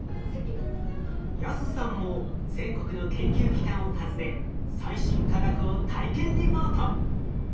安さんも全国の研究機関を訪ね最新科学を体験リポート。